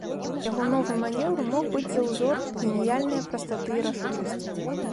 Яго новы манеўр мог быць за ўзор геніяльнае прастаты і рашучасці.